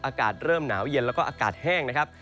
อากาศเริ่มหนาวเย็นแล้วก็อากาศแห้งนะครับ